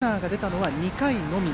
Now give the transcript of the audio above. ここまでランナーが出たのは２回のみ。